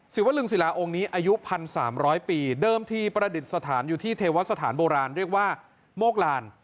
ศิวลึงศิลาองค์นี้อายุ๑๓๐๐ปีเดิมทีประดิษฐานอยู่ที่เทวสถานโบราณเรียกว่าโมกลาน